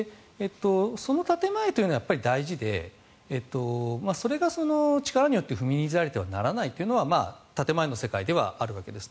その建前というのは大事でそれが力によって踏みにじられてはならないというのは建前の世界ではあるんです。